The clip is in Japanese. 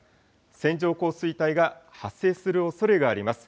線状降水帯が発生するおそれがあります。